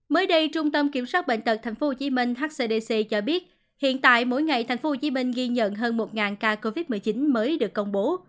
mới đây trung tâm kiểm soát bệnh tật tp hcm hcdc cho biết hiện tại mỗi ngày tp hcm ghi nhận hơn một ca covid một mươi chín mới được công bố